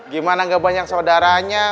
gimana gak banyak saudaranya